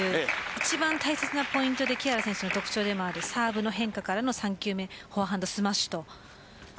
一番大切なポイントで木原選手の特徴でもあるサーブの変化からの３球目フォアハンドスマッシュと。